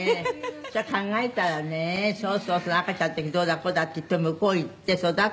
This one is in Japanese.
そりゃ考えたらね赤ちゃんの時どうだこうだっていって向こう行って育って」